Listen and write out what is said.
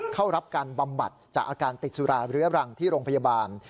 เข้ารับการบำบัดจากอาการติดสุราเรื้อรังที่โรงพยาบาล